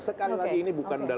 sekali lagi ini bukan